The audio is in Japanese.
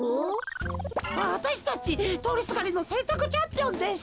わたしたちとおりすがりのせんたくチャンピオンです。